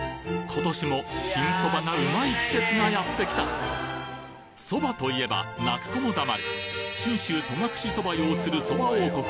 今年も新そばがうまい季節がやってきたそばと言えば泣く子も黙る信州戸隠そば擁するそば王国